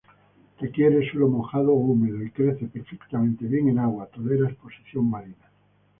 Requiere suelo mojado o húmedo, y crece perfectamente bien en agua; tolera exposición marina.